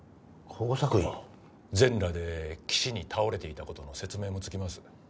全裸で岸に倒れていた事の説明もつきます。